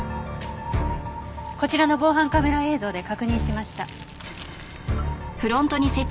こちらの防犯カメラ映像で確認しました。